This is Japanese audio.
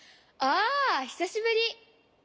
ああひさしぶり！